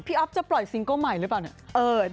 อ๊อฟจะปล่อยซิงเกิ้ลใหม่หรือเปล่าเนี่ย